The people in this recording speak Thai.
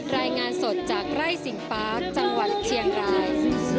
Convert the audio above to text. รายงานสดจากไร่สิงฟ้าจังหวัดเชียงราย